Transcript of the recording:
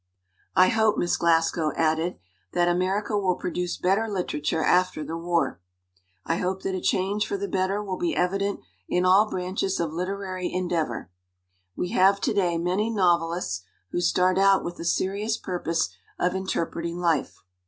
"I hope," Miss Glasgow added, "that America will produce better literature after the war. I 237 LITERATURE IN THE MAKING hope that a change for the better will be evident in all branches of literary endeavor. We have to day many novelists who start out with the seri ous purpose of interpreting life.